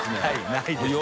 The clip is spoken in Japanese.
ないですね。